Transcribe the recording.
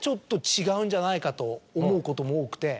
んじゃないかと思うことも多くて。